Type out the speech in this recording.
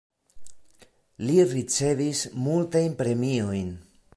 Li ricevis multajn premiojn.